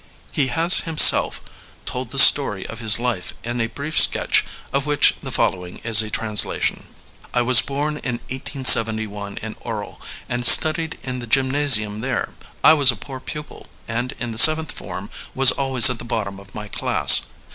'^He has himself told the story of his life in a brief sketch of which the following is a translation : I was bom in 1871 in Orel and studied in the gymnasium there. I was a poor pupil, and in the seventh form was always at the bottom of my class.